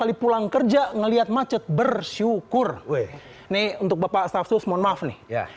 kali pulang kerja ngelihat macet bersyukur weh nih untuk bapak stafsus mohon maaf nih